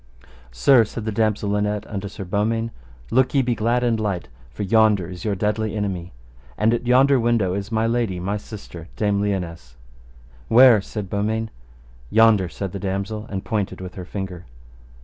Sir, said the damosel Linet unto Sir Beaumains, look ye be glad and light, for yonder is your deadly enemy, and at yonder window is my lady, my sister, Dame Lionesse. Where? said Beaumains. Yonder, said the damosel, and pointed with her finger.